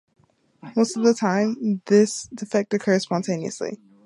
Most of the time, this defect occurs spontaneously.